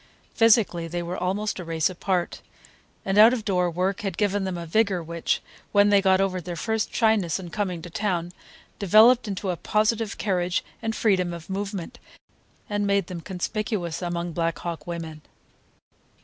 Physically they were almost a race apart, and out of door work had given them a vigor which, when they got over their first shyness on coming to town, developed into a positive carriage and freedom of movement, and made them conspicuous among Black Hawk women.